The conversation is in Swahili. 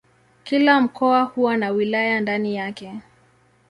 Kila mkoa huwa na wilaya ndani yake.